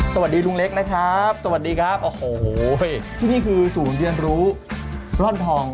สวัสดีลุงเล็กนะครับสวัสดีครับโอ้โหที่นี่คือศูนย์เรียนรู้ร่อนทอง